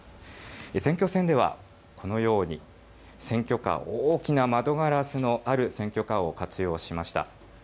選挙戦ではこのように選挙カー、大きな窓ガラスのある選挙カーを活用しました。